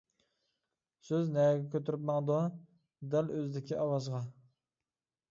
سۆز نەگە كۆتۈرۈپ ماڭىدۇ؟ دەل ئۆزىدىكى ئاۋازغا!